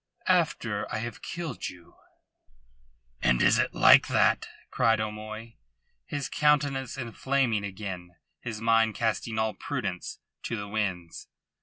"After I have killed you." "And is it like that?" cried O'Moy, his countenance inflaming again, his mind casting all prudence to the winds.